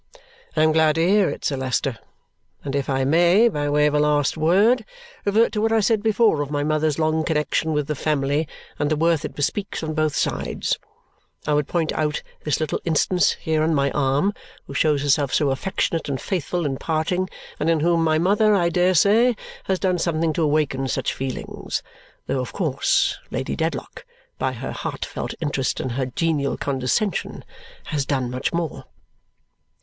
"I am glad to hear it, Sir Leicester; and if I may, by way of a last word, revert to what I said before of my mother's long connexion with the family and the worth it bespeaks on both sides, I would point out this little instance here on my arm who shows herself so affectionate and faithful in parting and in whom my mother, I dare say, has done something to awaken such feelings though of course Lady Dedlock, by her heartfelt interest and her genial condescension, has done much more."